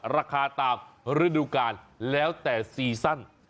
ราคาตามฤดูกาลแล้วแต่ซีซั่น